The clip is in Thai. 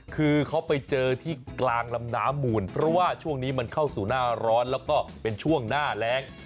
คือเขาไปเจอที่กลางลำน้ำมูลเพราะว่าช่วงนี้มันเข้าสู่หน้าร้อนแล้วก็เป็นช่วงหน้าแรง